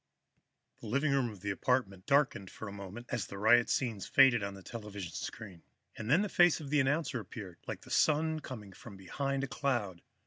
The living room of the apartment darkened for a moment as the riot scenes faded on the television screen, and then the face of the announcer appeared, like the Sun coming from behind a cloud.